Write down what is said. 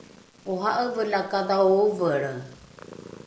ora’eve la kadhao ovelre